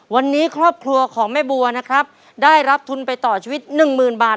วันนี้ครอบครัวของแม่บัวนะครับได้รับทุนไปต่อชีวิตหนึ่งหมื่นบาท